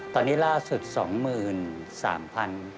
ตอนนี้ล่าสุด๒๓๐๐บาท